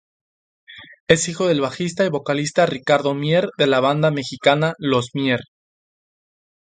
Es hijo del bajista y vocalista Ricardo Mier de la banda mexicana Los Mier.